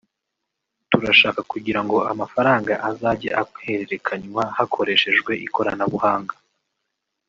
turashaka kugira ngo amafaranga azajye ahererekanywa hakoreshejwe ikoranabuhanga